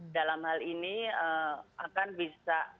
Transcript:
dalam hal ini akan bisa